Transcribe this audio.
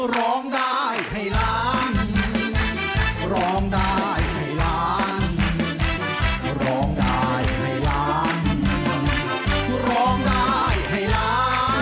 ร้องได้ให้ร้านร้องได้ให้ร้านร้องได้ให้ร้าน